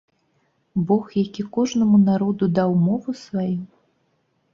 Бог, які кожнаму народу даў мову сваю?